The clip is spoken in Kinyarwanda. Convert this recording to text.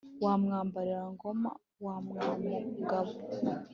wa mwambarira ngoma wa mwamugaba